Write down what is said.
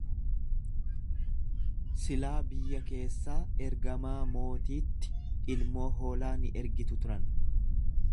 Silaa biyya keessaa ergamaa mootiitti ilmoo hoolaa ni ergitu turan.